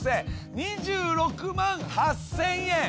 ２６万８，０００円。